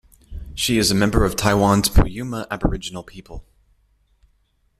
She is a member of Taiwan's Puyuma aboriginal people.